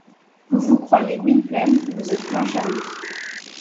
Vous vous croyez Gwynplaine, vous êtes Clancharlie.